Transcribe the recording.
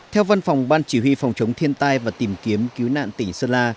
theo văn phòng ban chỉ huy phòng chống thiên tai và tìm kiếm cứu nạn tỉnh sơn la